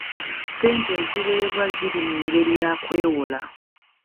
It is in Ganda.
Ssente eziweebwa ziri mu ngeri ya kwewola.